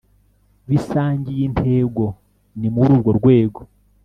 bisangiye intego ni muri urwo rwego